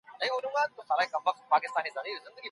هغه د خپلې کورنۍ په منځ کې خوشاله او ارامه وه.